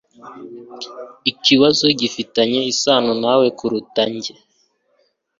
Ikibazo gifitanye isano nawe kuruta njye.